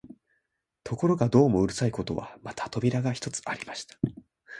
ところがどうもうるさいことは、また扉が一つありました